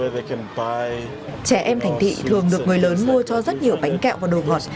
trẻ em thành thị thường được người lớn mua cho rất nhiều bánh kẹo và đồ ngọt